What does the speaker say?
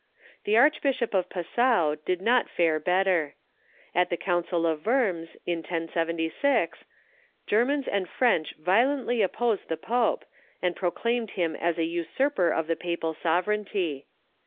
The Archbishop of Passau did not fare better. At the council of Worms, in 1076, Germans and French violently opposed the Pope, and proclaimed him as a usurper of the papal sovereignty.